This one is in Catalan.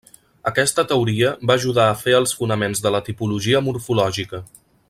Aquesta teoria va ajudar a fer els fonaments de la tipologia morfològica.